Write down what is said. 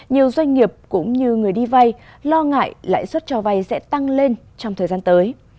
nhiều doanh nghiệp cũng như người đi vay lo ngại lãi suất cho vay sẽ tăng lên trong thời gian tới